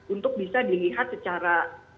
untuk bisa dilihat secara